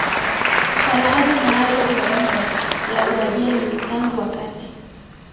kwa lahaja maalumu ya Ghuba ya Uajemi Tangu wakati